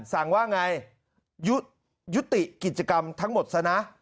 สั่งว่าไงยุติกิจกรรมทั้งหมดซะนะ